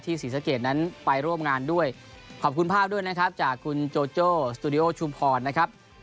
ศรีสะเกดนั้นไปร่วมงานด้วยขอบคุณภาพด้วยนะครับจากคุณโจโจ้สตูดิโอชุมพรนะครับ